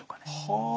はあ。